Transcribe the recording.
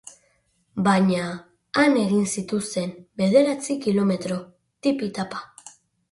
Baina, han egin zituzten, bederatzi kilometro, tipi-tapa.